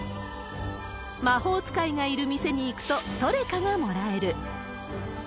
魔法使いがいる店に行くと、トレカがもらえる。